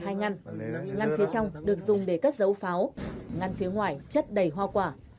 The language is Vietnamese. hai ngăn ngăn phía trong được dùng để cất dấu pháo ngăn phía ngoài chất đầy hoa quả